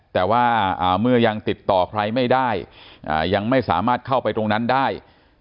แต่ว่าเมื่อยังติดต่อใครไม่ได้ยังไม่สามารถเข้าไปตรงนั้นได้